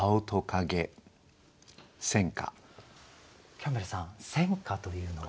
キャンベルさん仙歌というのは。